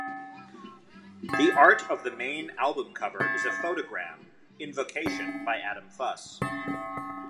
The art of the main album cover is a photogram, "Invocation", by Adam Fuss.